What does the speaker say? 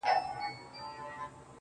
o نن شپه بيا زه پيغور ته ناسته يمه.